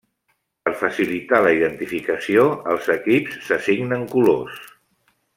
Per facilitar la identificació, els equips s'assignen colors.